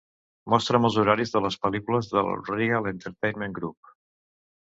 Mostra'm els horaris de les pel·lícules del Regal Entertainment Group